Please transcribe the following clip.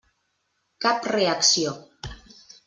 Cap reacció.